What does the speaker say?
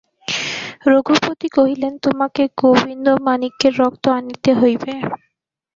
রঘুপতি কহিলেন, তোমাকে গোবিন্দমাণিক্যের রক্ত আনিতে হইবে।